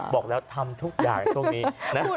บอกแล้วว่าทำทุกอย่างฮักษณฮักษณปีงนะ